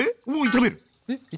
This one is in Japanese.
炒める？